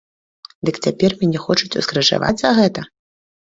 Дык цяпер мяне хочуць ускрыжаваць за гэта?